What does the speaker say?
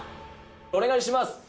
お願いします。